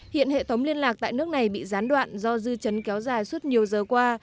hiện hệ thống liên lạc tại nước này bị gián đoạn do dư chấn kéo dài suốt nhiều giờ qua